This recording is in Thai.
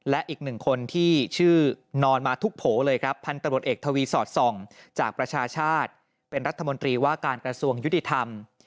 และอีกหนึ่งคนที่ชื่อนอนมาทุกโผล่เลยครับพันตรวจเอกทวีสอดส่องจากประชาชาติเป็นรัฐมนตรีว่าการกระทรวงยุติธรรม